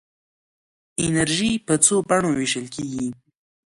انرژي په څو بڼو ویشل کېږي.